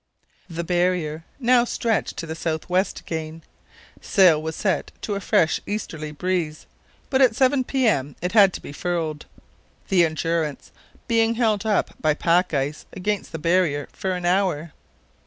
The barrier now stretched to the south west again. Sail was set to a fresh easterly breeze, but at 7 p.m. it had to be furled, the Endurance being held up by pack ice against the barrier for an hour.